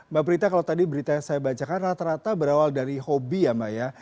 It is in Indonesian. mbak prita kalau tadi berita yang saya bacakan rata rata berawal dari hobi ya mbak ya